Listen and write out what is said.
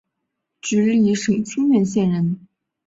直隶省清苑县人。